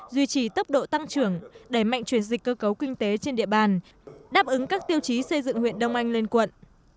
duy trì tốc độ tăng trưởng đẩy mạnh chuyển dịch cơ cấu kinh tế trên địa bàn đáp ứng các tiêu chí xây dựng huyện đông anh lên quận